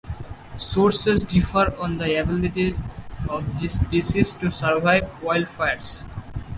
Sources differ on the ability of this species to survive wildfires.